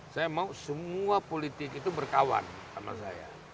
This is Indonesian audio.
saya mau semua politik itu berkawan sama saya